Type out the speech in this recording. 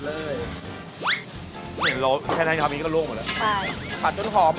ลงไปผัดกับไข่ก่อนนะครับ